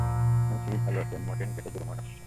আমি খুবই ভালো আছি এবং মোটেই নিজেকে বুড়ো মনে হচ্ছে না।